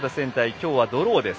きょうはドローです。